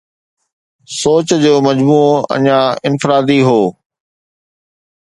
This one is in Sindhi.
سوچ جو مجموعو اڃا انفرادي هو